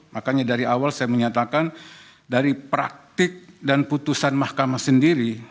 makanya dari awal saya menyatakan dari praktik dan putusan mahkamah sendiri